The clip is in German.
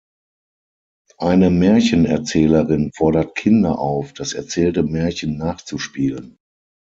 Eine Märchenerzählerin fordert Kinder auf, das erzählte Märchen nachzuspielen.